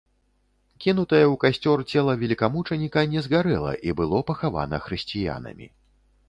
Кінутае ў касцёр цела велікамучаніка не згарэла і было пахавана хрысціянамі.